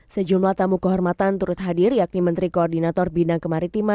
sejumlah tamu kehormatan turut hadir yakni menteri koordinator bina kemaritiman